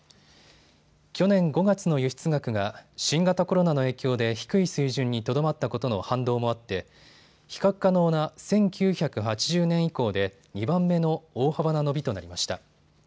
去年５月の輸出額が新型コロナの影響で低い水準にとどまったことの反動もあって比較可能な１９８０年以降で２番目の大幅な伸びとなりました。